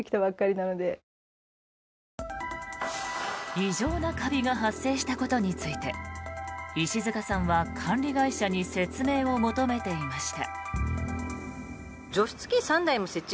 異常なカビが発生したことについて石塚さんは管理会社に説明を求めていました。